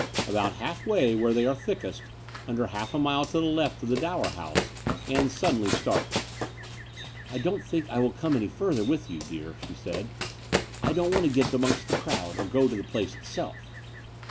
About half way, where they are thickest, under half a mile to the left of the Dower House, Ann suddenly stopped. '' I don't think I will come any farther with you, dear, '' she said. *' I don't want to get amongst the crowd or go to the place itself."